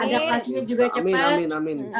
ada pasnya juga cepat